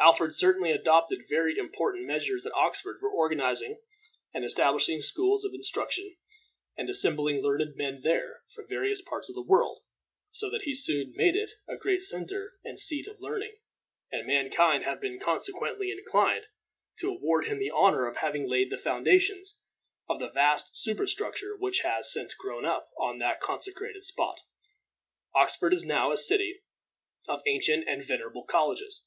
Alfred certainly adopted very important measures at Oxford for organizing and establishing schools of instruction and assembling learned men there from various parts of the world, so that he soon made it a great center and seat of learning, and mankind have been consequently inclined to award to him the honor of having laid the foundations of the vast superstructure which has since grown up on that consecrated spot. Oxford is now a city of ancient and venerable colleges.